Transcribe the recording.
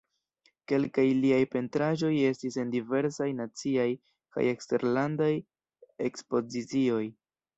Kelkaj liaj pentraĵoj estis en diversaj naciaj kaj eksterlandaj ekspozicioj.